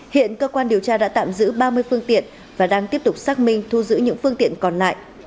hiện cơ quan điều tra đã tạm giữ ba mươi phương tiện và đang tiếp tục xác minh thu giữ những phương tiện còn lại